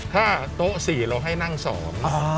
ถ้าโต๊ะสี่เราให้นั่งสอง